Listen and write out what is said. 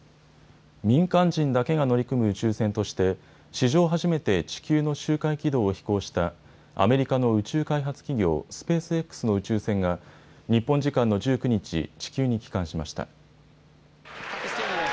民間人だけが乗り組む宇宙船として、史上初めて地球の周回軌道を飛行したアメリカの宇宙開発企業、スペースＸの宇宙船が、日本時間の１９日、地球に帰還しました。